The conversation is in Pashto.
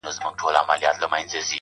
په کتاب کي چي مي هره شپه لوستله -